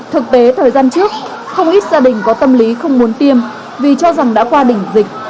thực tế thời gian trước không ít gia đình có tâm lý không muốn tiêm vì cho rằng đã qua đỉnh dịch